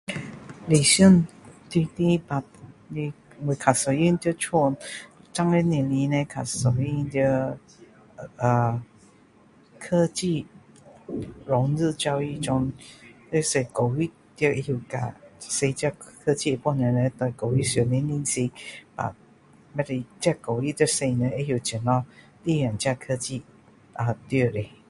理想中的卡的我较喜欢在家现今的年龄叻较喜欢在啊呃科技融入教育中要使教育要会教使到科技可以帮助人在教育上的认识啊这教育也使人知道怎样利用这科技啊对的